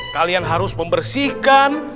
kalian harus membersihkan